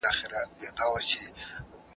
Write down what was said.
پښتو د قربانۍ ژبه ده.